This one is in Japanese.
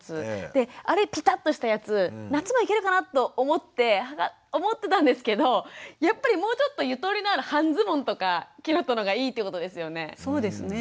であれピタッとしたやつ夏もいけるかなと思ってたんですけどやっぱりもうちょっとゆとりのある半ズボンとかキュロットの方がいいってことですよね。